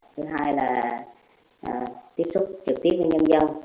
thứ hai là tiếp xúc trực tiếp với nhân dân